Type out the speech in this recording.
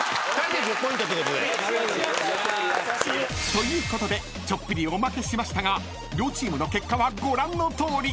［ということでちょっぴりおまけしましたが両チームの結果はご覧のとおり］